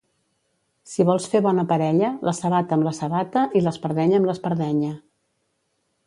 Si vols fer bona parella, la sabata amb la sabata i l'espardenya amb l'espardenya.